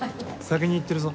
先に行ってるぞ。